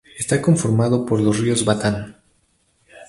Está conformado por los ríos Batán